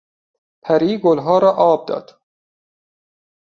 پری گلها را آب داد.